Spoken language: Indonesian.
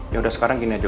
yaudah sekarang gini aja